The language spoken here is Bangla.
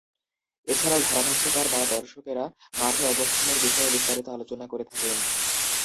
এছাড়াও, ধারাভাষ্যকার বা দর্শকেরা মাঠে অবস্থানের বিষয়ে বিস্তারিত আলোচনা করে থাকেন।